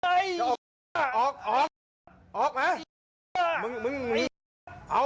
แล้วมึงเอามึงอยู่กับพระ